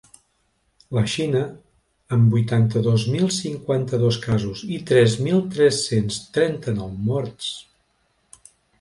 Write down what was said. La Xina, amb vuitanta-dos mil cinquanta-dos casos i tres mil tres-cents trenta-nou morts.